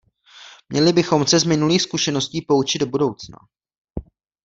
Měli bychom se z minulých zkušeností poučit do budoucna.